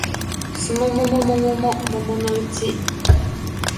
季も桃も桃のうち